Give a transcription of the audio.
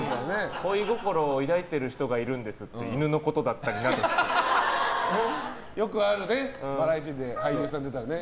恋心を抱いている人がいるんですって言ってよくあるね、バラエティーで俳優さん出たらね。